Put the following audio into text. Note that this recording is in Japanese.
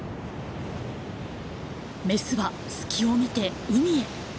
メスは隙を見て海へ。